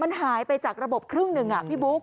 มันหายไปจากระบบครึ่งหนึ่งพี่บุ๊ค